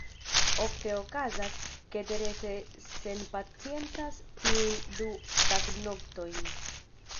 Ofte okazas, ke Terese senpaciencas tiujn du tagnoktojn.